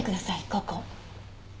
ここ。